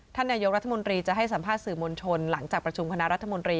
ท่านนายกรัฐมนตรีจะให้สัมภาษณ์สื่อมวลชนหลังจากประชุมคณะรัฐมนตรี